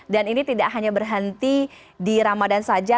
dan ini tidak hanya berhenti di ramadhan saja